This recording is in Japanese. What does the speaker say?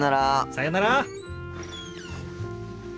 さよなら。